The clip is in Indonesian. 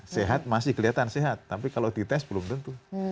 sehat masih kelihatan sehat tapi kalau dites belum tentu